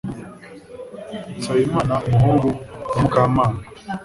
Nsabimana umuhungu wa mukamana